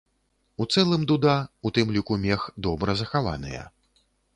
У цэлым дуда, у тым ліку мех, добра захаваныя.